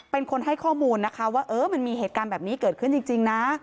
เป็นคนให้ข้อมูลนะคะว่าเออมันมีเหตุการณ์แบบนี้เกิดขึ้นจริงนะ